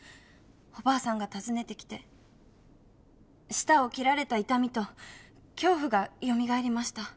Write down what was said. おばあさんが訪ねてきて舌を切られた痛みと恐怖がよみがえりました。